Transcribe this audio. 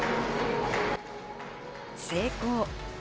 成功。